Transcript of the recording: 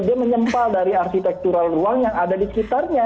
dia menyempal dari arsitektural ruang yang ada di sekitarnya